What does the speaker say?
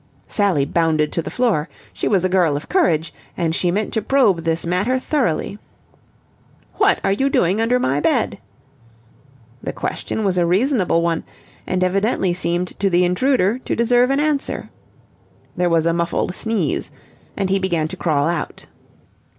Sally bounded to the floor. She was a girl of courage, and she meant to probe this matter thoroughly. "What are you doing under my bed?" The question was a reasonable one, and evidently seemed to the intruder to deserve an answer. There was a muffled sneeze, and he began to crawl out.